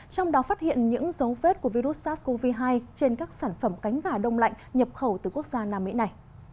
trong đó phát hiện những dấu vết của virus sars cov hai trên các sản phẩm cánh gà đông lạnh nhập khẩu từ quốc gia nam mỹ này